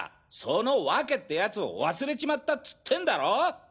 そのワケってやつを忘れちまったっつってんだろ！